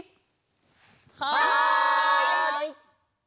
はい！